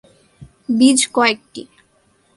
বীজ কয়েকটি।